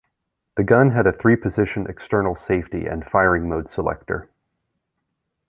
The gun had a three-position external safety and firing mode selector.